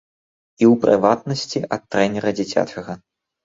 І, у прыватнасці, ад трэнера дзіцячага?